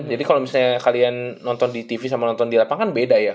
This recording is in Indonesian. jadi kalau misalnya kalian nonton di tv sama nonton di lapangan beda ya